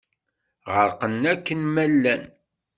Ɣerqen akken ma llan.